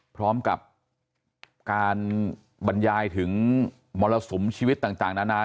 พร้อมกับการบรรยายถึงมรสุมชีวิตต่างนานา